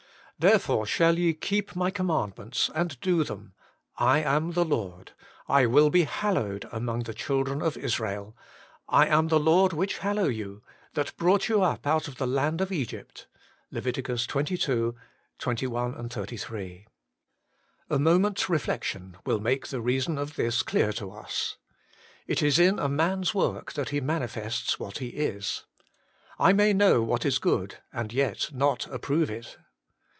Therefore shall ye keep my command ments and do them : I am the Lord : I will be hallowed among the children of Israel : I am the Lord which hallow you, that brought you up out of the land of Egypt' (xxii 21, 33). A moment's reflection will make the reason of this clear to us. It is in a man's work that he manifests what he is. I may know what is good, and yet not approve it.